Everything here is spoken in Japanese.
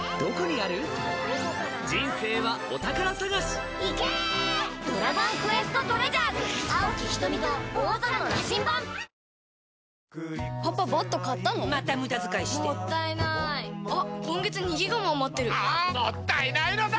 あ‼もったいないのだ‼